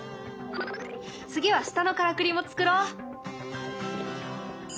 次は下のからくりも作ろう。